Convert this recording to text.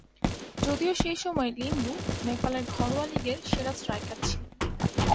যদিও সেই সময়ে লিম্বু, নেপালের ঘরোয়া লীগের সেরা স্ট্রাইকার ছিলেন।